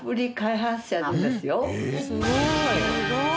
すごい。